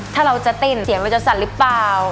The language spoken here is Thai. ถ้าเราจะเต้นเสียงมันจะสั่นหรือเปล่า